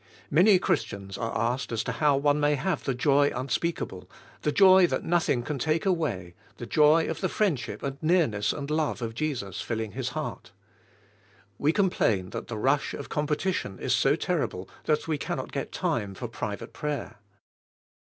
Many Christians are asked as to how one may JO V IN TIIK HOL y GHOST 136 have the jo}^ unspeakable, the joy that nothing can take away, the joy of the friendship and nearness and love of Jcsns filling his heart. We complain that the rush of competition is so terrible that we can not get time for private prayer.